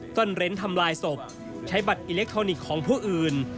ซ่อนเร้นทำลายศพใช้บัตรอิเล็กทรอนิกส์ของผู้อื่น